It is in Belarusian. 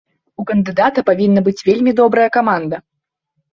У кандыдата павінна быць вельмі добрая каманда.